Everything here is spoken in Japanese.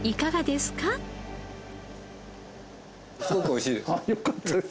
すごく美味しいです。